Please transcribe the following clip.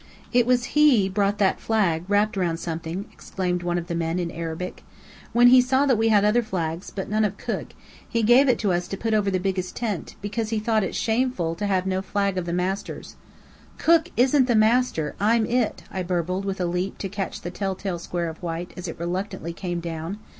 "It was he brought that flag, wrapped round something," explained one of the men, in Arabic. "When he saw we had other flags, but none of Cook, he gave it to us to put over the biggest tent, because he thought it shameful to have no flag of the master's." "Cook isn't the master. I'm it," I burbled, with a leap to catch the tell tale square of white as it reluctantly came down.